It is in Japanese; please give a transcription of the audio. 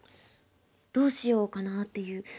どうしようかなっていう。